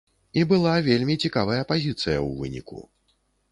І была вельмі цікавая пазіцыя ў выніку.